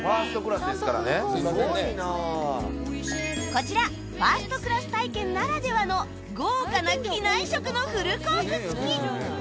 こちらファーストクラス体験ならではの豪華な機内食のフルコース付き